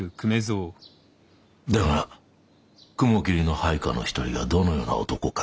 だが雲霧の配下の一人がどのような男か知れた。